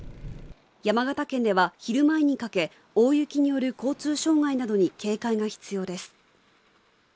山形県では昼前にかけ大雪による交通障害などに警戒が必要です